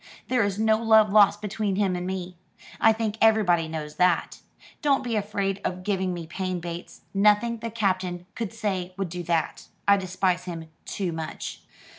There is no love lost between him and me. I think everybody knows that. Don't be afraid of giving me pain, Bates. Nothing the Captain could say would do that. I despise him too much."